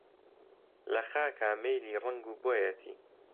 لە خاکا مەیلی ڕەنگ و بۆیەتی